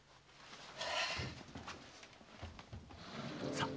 さあ。